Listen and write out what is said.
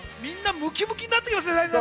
みんなムキムキになっていきますね。